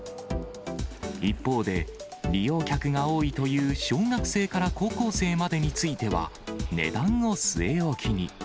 一方で、利用客が多いという小学生から高校生までについては、値段を据え置きに。